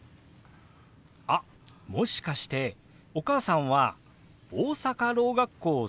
あっもしかしてお母さんは大阪ろう学校卒業ですか？